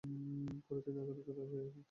পরে তিনি উচ্চ আদালতের রায়ে মুক্তি পান।